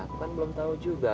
aku kan belum tau juga